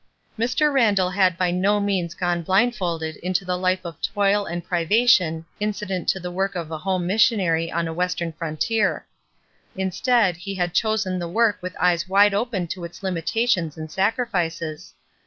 Mr. Randall had by no means gone blindfold into the life of toil and privation incident to 14 ESTER RIED'S NAMESAKE the work of a home missionary on a western frontier. Instead, he had chosen the work with eyes wide open to its limitations and sac rifices.